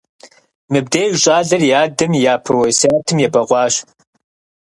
Мыбдеж щӀалэр и адэм и япэ уэсятым ебэкъуащ.